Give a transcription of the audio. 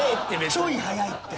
ちょい早いって。